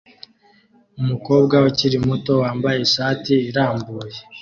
Umukobwa ukiri muto wambaye ishati irambuye